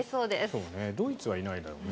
そうねドイツはいないだろうね。